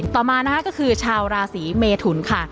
ต่อมานะคะก็คือชาวราศีเมทุนค่ะ